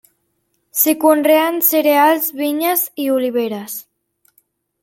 S'hi conreen cereals, vinyes i oliveres.